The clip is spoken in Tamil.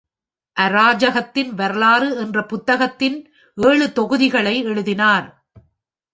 அராஜகத்தின் வரலாறு என்ற புத்தகத்தின் ஏழு தொகுதிகளை எழுதினார்.